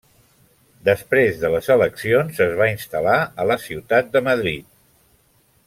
Després de les eleccions, es va instal·lar a la ciutat de Madrid.